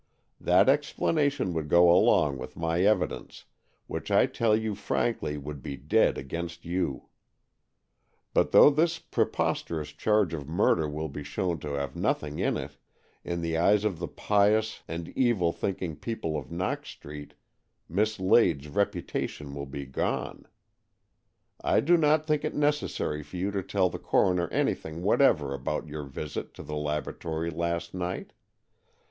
That explanation would go along with my evidence, which I tell you frankly would be dead against you. But though this prepos terous charge of murder will be shown to have nothing in it, in the eyes of the pious and evil thinking people of Knox Street Miss Lade's reputation will be gone. I do not think it necessary for you to tell the coroner anything whatever about your visit to the laboratory last night.